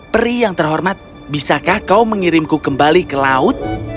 peri yang terhormat bisakah kau mengirimku kembali ke laut